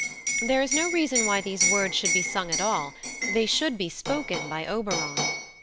There is no reason why these words should be sung at all: they should be spoken by Oberon.